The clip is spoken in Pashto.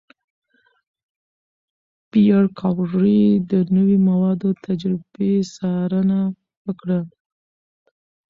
پېیر کوري د نوې موادو د تجربې څارنه وکړه.